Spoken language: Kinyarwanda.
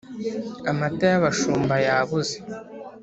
“amata y’abashumba yabuze!”